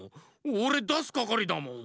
おれだすかかりだもん。